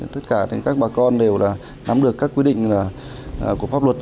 tất cả các bà con đều là nắm được các quy định của pháp luật